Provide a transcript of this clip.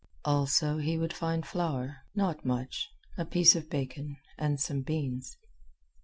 Also, he would find flour, not much, a piece of bacon, and some beans.